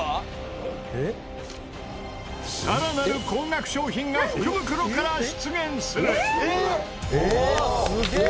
さらなる高額商品が福袋から出現する！